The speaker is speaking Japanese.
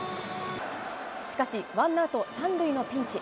しかし、ワンアウト３塁のピンチ。